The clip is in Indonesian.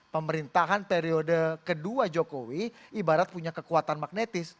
pemerintahan periode kedua jokowi ibarat punya kekuatan magnetis